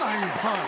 はい。